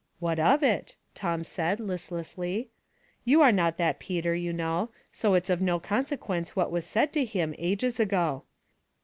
" What of it ?"' Tom asked, listlessly. *' You are not that Peter, you know, so it's of no con sequence what was said to him, ages ago."